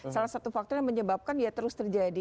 salah satu faktor yang menyebabkan ya terus terjadi